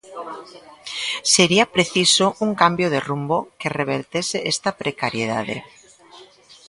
Sería preciso un cambio de rumbo que revertese esta precariedade.